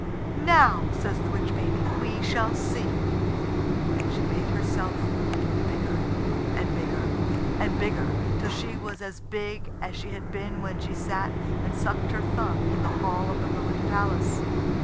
"Now," says the witch baby, "we shall see." And she made herself bigger and bigger and bigger, till she was as big as she had been when she sat and sucked her thumb in the hall of the ruined palace.